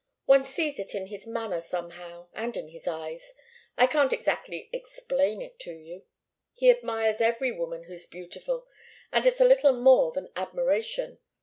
One sees it in his manner somehow, and in his eyes. I can't exactly explain it to you. He admires every woman who's beautiful, and it's a little more than admiration.